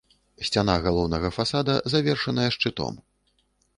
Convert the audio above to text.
Сцяна галоўнага фасада завершаная шчытом.